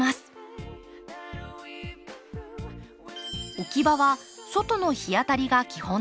置き場は外の日当たりが基本です。